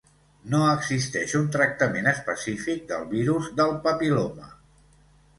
No existeix un tractament específic del virus del papil·loma.